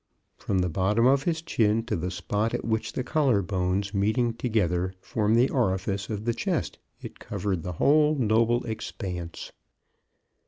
From the bottom of his chin to the spot at which the collar bones meeting together form the orifice of the chest, it covered MRS. brown's failure. 23 the whole noble expanse.